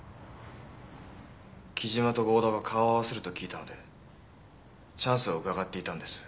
貴島と合田が顔を合わせると聞いたのでチャンスをうかがっていたんです。